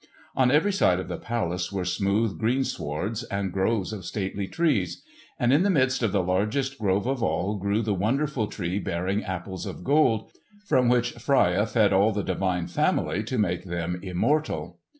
On every side of the palace were smooth greenswards, and groves of stately trees. And in the midst of the largest grove of all grew the wonderful tree bearing apples of gold, from which Freia fed all the divine family to make them immortal.